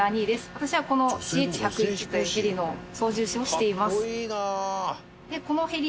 私はこのＣＨ−１０１というヘリの操縦士もしています。